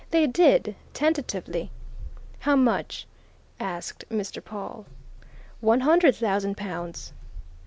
"They did tentatively." "How much?" asked Mr. Pawle. "One hundred thousand pounds!"